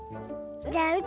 じゃあう